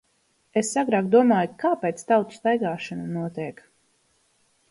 Es agrāk domāju - kāpēc tautu staigāšana notiek.